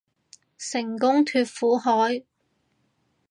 成功脫苦海